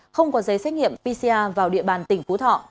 không có giấy xét nghiệm pcr vào địa bàn tỉnh phú thọ